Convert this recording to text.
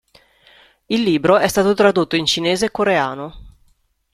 Il libro è stato tradotto in cinese e coreano.